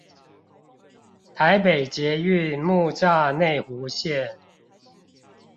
台北捷運木柵內湖線